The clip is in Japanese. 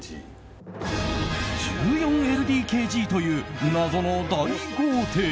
１４ＬＤＫＧという謎の大豪邸！